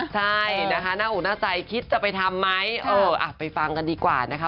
ใช่นะคะหน้าอกหน้าใจคิดจะไปทำไหมเอออ่ะไปฟังกันดีกว่านะคะ